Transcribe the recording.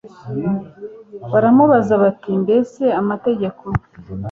baramubaza bati mbese amategeko